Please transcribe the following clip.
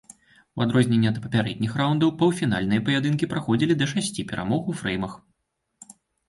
У адрозненне ад папярэдніх раўндаў паўфінальныя паядынкі праходзілі да шасці перамог у фрэймах.